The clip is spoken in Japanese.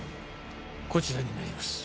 こちらになります